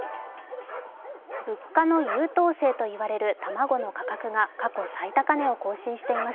物価の優等生と言われる卵の価格が過去最高値を更新しています。